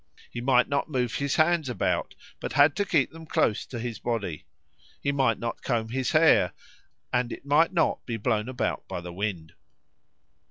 He might not move his hands about, but had to keep them close to his body. He might not comb his hair, and it might not be blown about by the wind.